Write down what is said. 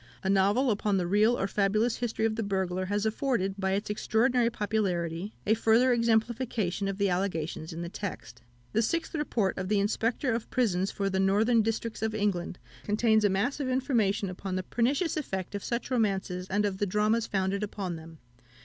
A novel upon the real or fabulous history of the burglar has afforded, by its extraordinary popularity, a further exemplification of the allegations in the text. The Sixth Report of the Inspector of Prisons for the Northern Districts of England contains a mass of information upon the pernicious effect of such romances, and of the dramas founded upon them.